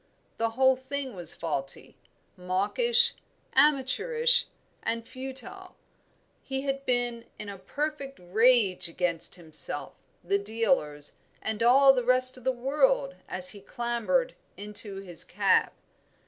The whole thing was faulty, mawkish, amateurish, and futile. He had been in a perfect rage against himself, the dealers, and all the rest of the world as he clambered into his cab.